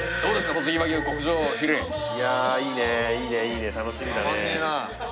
とちぎ和牛特上フィレいやいいねいいねいいね楽しみだね